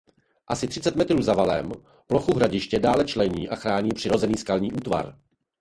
Asi třicet metrů za valem plochu hradiště dále člení a chrání přirozený skalní útvar.